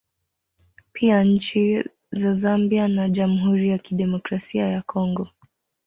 Pia nchi za Zambia na Jamhuri ya Kidemokrasia ya Congo